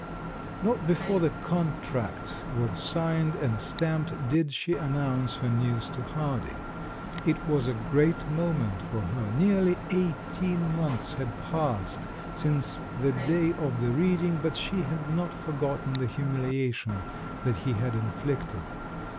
INTot before the contract was signed and stamped did she announce her news to Harding. It was a great moment for her. Nearly eighteen months had passed since the day of the reading, but she had not forgotten the humiliation that he had inflicted.